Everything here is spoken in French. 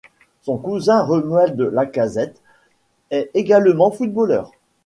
Son cousin Romuald Lacazette, est également footballeur.